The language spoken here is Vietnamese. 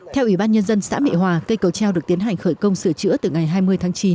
theo ủy ban nhân dân xã mỹ hòa cây cầu treo được tiến hành khởi công sửa chữa từ ngày hai mươi tháng chín